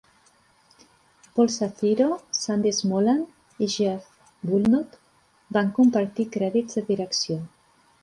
Paul Shapiro, Sandy Smolan i Jeff Woolnough van compartir crèdits de direcció.